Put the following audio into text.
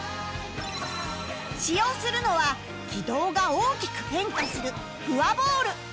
使用するのは軌道が大きく変化するプワボール